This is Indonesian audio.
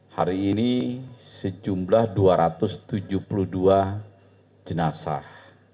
hari ini sejumlah dua ratus tujuh puluh dua jenazah